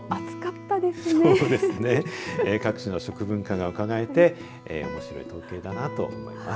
各地の食文化がうかがえて面白い統計だなと思います。